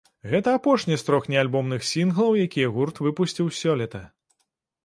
Гэта апошні з трох неальбомных сінглаў, якія гурт выпусціў сёлета.